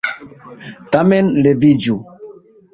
Tamen leviĝu!